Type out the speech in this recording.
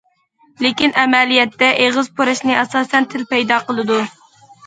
لېكىن ئەمەلىيەتتە ئېغىز پۇراشنى ئاساسەن تىل پەيدا قىلىدۇ.